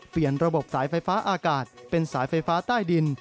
ระบบสายไฟฟ้าอากาศเป็นสายไฟฟ้าใต้ดิน